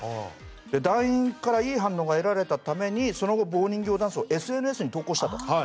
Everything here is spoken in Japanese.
で団員からいい反応が得られたためにその後棒人形ダンスをＳＮＳに投稿したと。